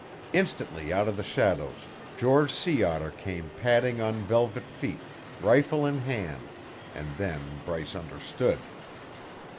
Instantly out of the shadows George Sea Otter came padding on velvet feet, rifle in hand and then Bryce understood.